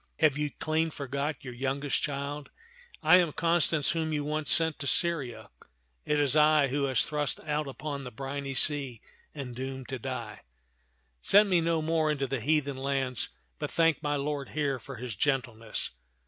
Have you clean forgot your youngest child ? I am Constance whom you once sent to Syria. It is I who was thrust out upon the briny sea and doomed to die. Send me no more unto the heathen lands, but thank my lord here for his gentleness."